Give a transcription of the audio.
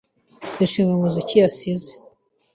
Twishimiye umuziki yasize.